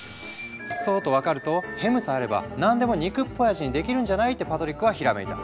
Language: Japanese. そうと分かるとヘムさえあれば何でも肉っぽい味にできるんじゃない？ってパトリックはひらめいた。